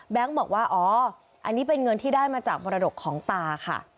บอกว่าอ๋ออันนี้เป็นเงินที่ได้มาจากมรดกของตาค่ะ